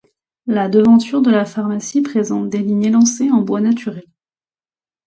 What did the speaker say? La devanture de la pharmacie présente des lignes élancées en bois naturel.